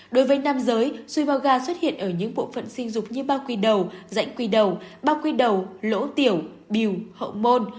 đối với nam giới suối màu gà xuất hiện ở những bộ phận sinh dục như ba quy đầu dạnh quy đầu ba quy đầu lỗ tiểu biểu hậu môn